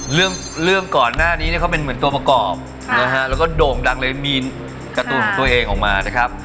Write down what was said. เรื่องก่อนหน้านี้เป็นเหมือนตัวประกอบแล้วโด่งดังเลยมีในการ์ตูนของตัวเองออกมานะครับ